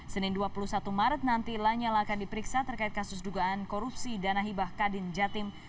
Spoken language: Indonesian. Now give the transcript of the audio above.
senin dua puluh satu maret nanti lanyala akan diperiksa terkait kasus dugaan korupsi dana hibah kadin jatim